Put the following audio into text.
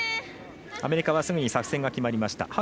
アメリカはすぐに作戦が決まりました。